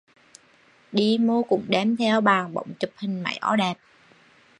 Đi mô cũng đem theo bàn bóng chụp hình mấy o đẹp